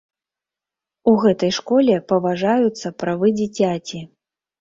У гэтай школе паважаюцца правы дзіцяці.